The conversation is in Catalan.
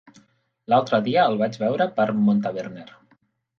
L'altre dia el vaig veure per Montaverner.